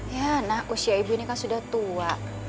ya nak usia ibu ini kan sudah tua